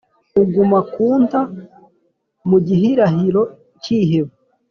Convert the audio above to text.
Uguma kunta mugihirahiro nkiheba